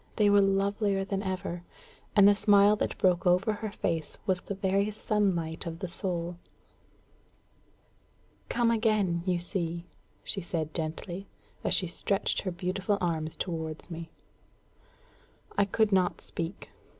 They were lovelier than ever. And the smile that broke over her face was the very sunlight of the soul. "Come again, you see!" she said gently, as she stretched her beautiful arms towards me. I could not speak.